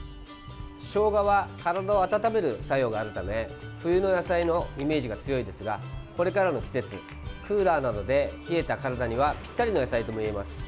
ショウガは体を温める作用があるため冬の野菜のイメージが強いですがこれからの季節、クーラーなどで冷えた体にはぴったりの野菜ともいえます。